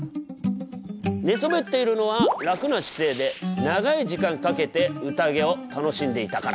寝そべっているのは楽な姿勢で長い時間かけて宴を楽しんでいたから。